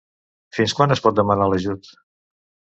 Fins quan es pot demanar l'ajut?